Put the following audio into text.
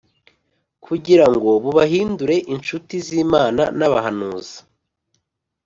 kugira ngo bubahindure incuti z’Imana n’abahanuzi,